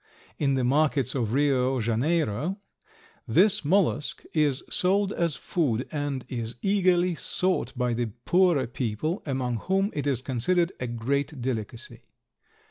In the markets of Rio Janeiro this mollusk is sold as food and is eagerly sought by the poorer people, among whom it is considered a great delicacy.